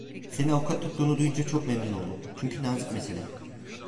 Seni avukat tuttuğunu duyunca çok memnun oldum: Çünkü nazik mesele…